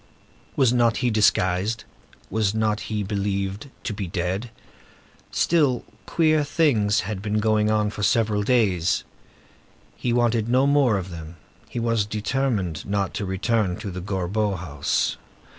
Was not he disguised? Was not he believed to be dead? Still, queer things had been going on for several days. He wanted no more of them. He was determined not to return to the Gorbeau house.